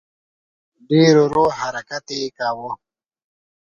ډېر ورو حرکت یې کاوه.